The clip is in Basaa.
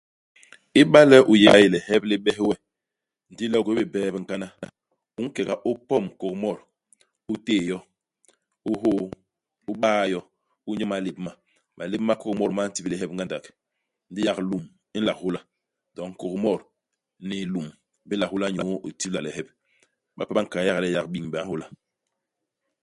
Iba le u yé i mbay, lihep li bes we, ndi le u gwéé bé bie bi nkana, u nke nga u pom kôgmot, u téé yo, u hôô, u baa yo, u nyo imalép ma. Malép ma kôgmot ma ntibil lihep ngandak. Ndi yak lum i nla hôla. Doñ kôgmot ni lum bi nla hôla inyu itibla lihep. Bape ba nkal yak le yak binbe a hôla.